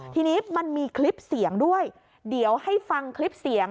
ทีนี้มันมีคลิปเสียงด้วยเดี๋ยวให้ฟังคลิปเสียง